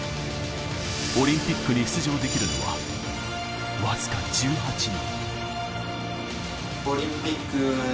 オリンピックに出場できるのは、わずか１８人。